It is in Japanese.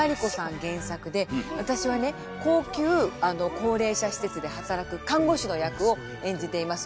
原作で私はね高級高齢者施設で働く看護師の役を演じています。